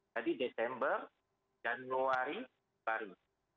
jadi desember januari baru